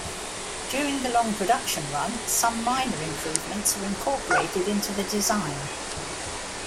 During the long production run, some minor improvements were incorporated into the design.